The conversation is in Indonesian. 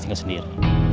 saya gak sendiri